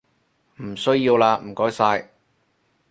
唔需要喇唔該晒